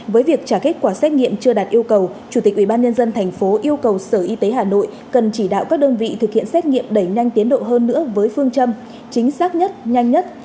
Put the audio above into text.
với việc trả kết quả xét nghiệm chưa đạt yêu cầu chủ tịch ubnd tp yêu cầu sở y tế hà nội cần chỉ đạo các đơn vị thực hiện xét nghiệm đẩy nhanh tiến độ hơn nữa với phương châm chính xác nhất nhanh nhất